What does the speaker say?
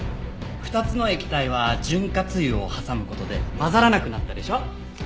２つの液体は潤滑油を挟む事で混ざらなくなったでしょ？